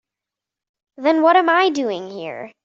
Then what am I doing here?